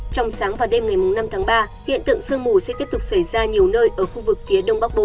trong sáng và đêm ngày năm tháng ba hiện tượng sương mù sẽ tiếp tục xảy ra nhiều nơi ở khu vực phía đông bắc bộ